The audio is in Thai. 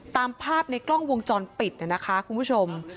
ตามภาพในกล้องวงจรปิดนะคะคุณผู้ชม